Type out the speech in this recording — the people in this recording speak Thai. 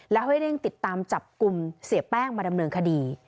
แล้วให้เร่งติดตามจับกลุ่มเสียแป้งมาดำเนินคดี